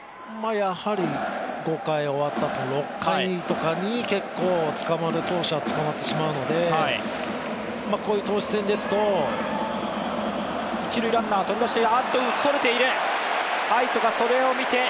やはり５回が終わったところ６回とかに結構捕まる投手は捕まってしまうのでこういう投手戦ですとこれでランナー、二塁になります。